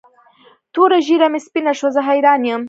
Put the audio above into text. توره ږیره مې سپینه شوه زه حیران یم.